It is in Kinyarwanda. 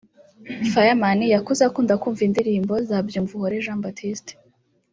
Fireman yakuze akunda kumva indirimbo za Byumvuhore Jean Baptiste